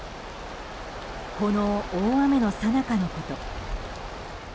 この大雨のさなかのこと。